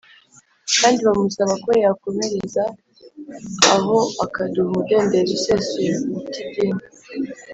kandi bamusaba ko yakomereza aho akaduha umudendezo usesuye mu by idini